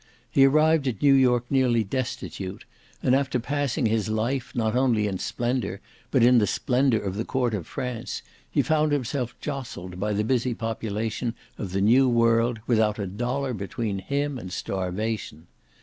He arrived at New York nearly destitute; and after passing his life, not only in splendour, but in the splendour of the court of France, he found himself jostled by the busy population of the New World, without a dollar between him and starvation.